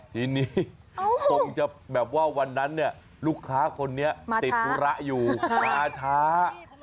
ทีนี้คงจะแบบว่าวันนั้นเนี่ยลูกค้าคนนี้ติดธุระอยู่มาช้า